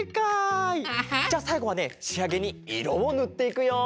アハッ！じゃさいごはねしあげにいろをぬっていくよ。